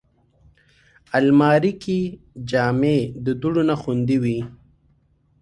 الماري کې جامې د دوړو نه خوندي وي